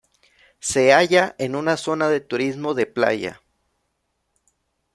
Se halla en una zona de turismo de playa.